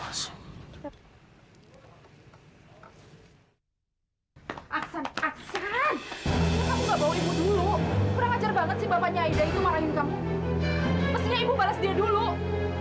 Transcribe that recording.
mestinya ibu balas dia dulu